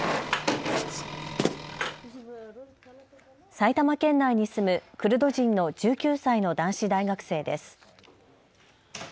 埼玉県内に住むクルド人の１９歳の男子大学生です。